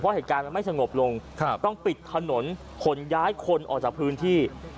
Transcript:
เหตุการณ์มันไม่สงบลงต้องปิดถนนขนย้ายคนออกจากพื้นที่